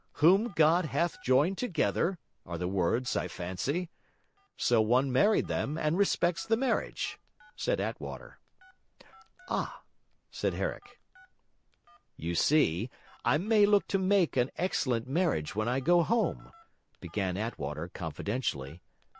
WHOM GOD HATH JOINED TOGETHER, are the words, I fancy. So one married them, and respects the marriage,' said Attwater. 'Ah!' said Herrick. 'You see, I may look to make an excellent marriage when I go home,' began Attwater, confidentially.